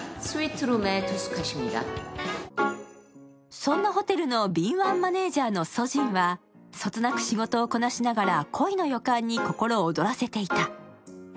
そんなホテルの敏腕マネージャーのソジンはそつなく仕事をこなしながら、恋の予感に心躍らせていた。